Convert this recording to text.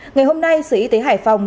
ngày hôm nay sở y tế hải phòng